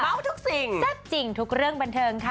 เอาทุกสิ่งแซ่บจริงทุกเรื่องบันเทิงค่ะ